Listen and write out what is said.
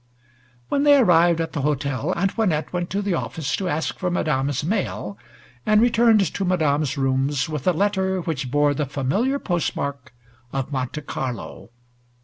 When they arrived at the hotel Antoinette went to the office to ask for Madame's mail, and returned to Madame's rooms with a letter which bore the familiar post mark of Monte Carlo.